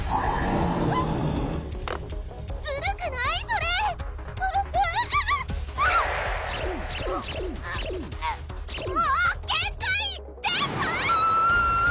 えっ⁉ずるくない⁉それあぁあわわあっ！もう限界です！